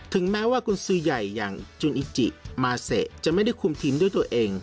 แม้ว่ากุญสือใหญ่อย่างจุนอิจิมาเซจะไม่ได้คุมทีมด้วยตัวเอง